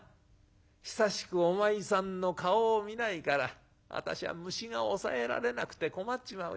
『久しくお前さんの顔を見ないから私は虫が押さえられなくて困っちまうよ。